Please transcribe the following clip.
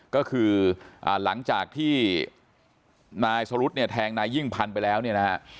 ก็คือหลังจากที่นายสรุธเนี่ยแทงนายยิ่งพันธุ์ไปแล้วเนี่ยนะฮะ